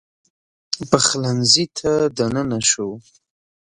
پخلنځي ته دننه سو